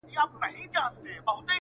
• پرتكه سپينه پاڼه وڅڅېدې.